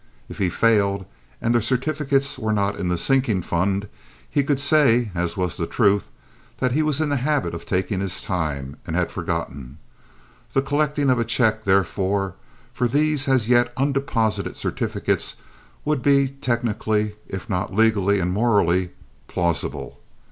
If he failed, and the certificates were not in the sinking fund, he could say, as was the truth, that he was in the habit of taking his time, and had forgotten. This collecting of a check, therefore, for these as yet undeposited certificates would be technically, if not legally and morally, plausible.